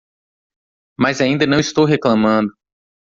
Mas ainda não estou reclamando.